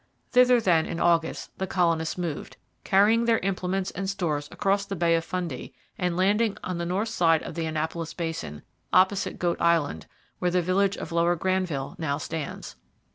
Thither, then, in August the colonists moved, carrying their implements and stores across the Bay of Fundy, and landing on the north side of the Annapolis Basin, opposite Goat Island, where the village of Lower Granville now stands.